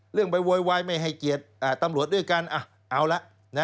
ไปโวยวายไม่ให้เกียรติตำรวจด้วยกันเอาละ